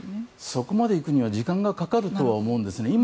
そこまで行くには時間がかかると思うんですね。